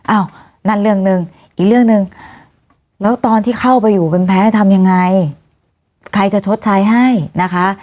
อ้าวนั่นเรื่องหนึ่งอีกเรื่องหนึ่งแล้วตอนที่เข้าไปอยู่เป็นแพ้ทำยังไงใครจะชดใช้ให้นะคะ